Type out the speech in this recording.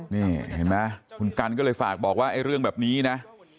นี่เห็นไหมคุณกันก็เลยฝากบอกว่าไอ้เรื่องแบบนี้นะ